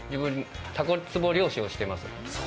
たこつぼ漁師をしてます。